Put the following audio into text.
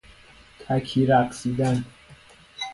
تکی رقصیدن